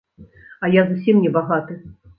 А я зусім не багаты.